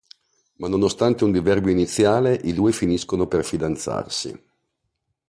Ma nonostante un diverbio iniziale i due finiscono per fidanzarsi.